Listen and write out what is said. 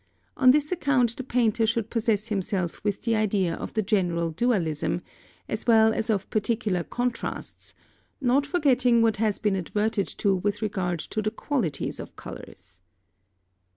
On this account the painter should possess himself with the idea of the general dualism, as well as of particular contrasts, not forgetting what has been adverted to with regard to the qualities of colours.